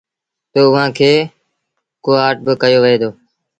تا اُئآݩ کي ڪوآٽ با ڪهيو وهي دو۔